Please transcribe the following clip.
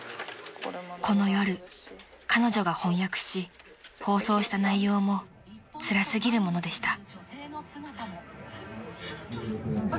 ［この夜彼女が翻訳し放送した内容もつら過ぎるものでした］